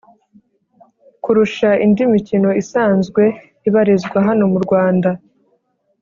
Kurusha indi mikino isanzwe ibarizwa hano murwanda